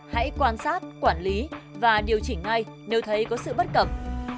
hãy quan sát quản lý và điều chỉnh ngay nếu thấy có sự bất cập